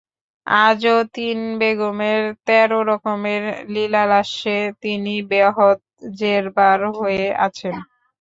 আজও তিন বেগমের তেরো রকমের লীলালাস্যে তিনি বেহদ জেরবার হয়ে আছেন।